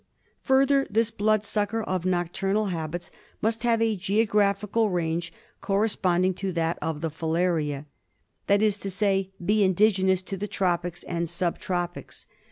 Further, this blood sucker of nocturnal habits must flLARIASIS. 75 have a geographical range corresponding to thatof the filaria— that is to say, be indigenous to the tropics and sub tropics.